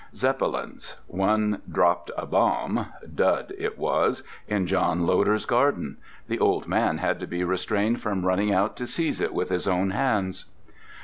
Zeppelins. One dropped a bomb—"dud" it was—in John Loder's garden; the old man had to be restrained from running out to seize it with his own hands.